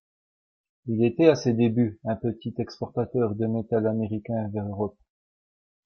Il était à ses débuts un petit exportateur de metal américain vers l’Europe.